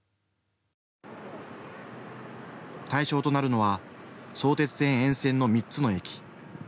対象となるのは相鉄線沿線の３つの駅。